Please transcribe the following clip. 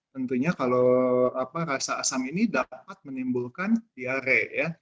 tentunya kalau rasa asam ini dapat menimbulkan diare